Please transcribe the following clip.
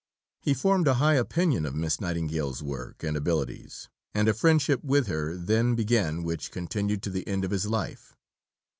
He formed a high opinion of Miss Nightingale's work and abilities, and a friendship with her then began which continued to the end of his life.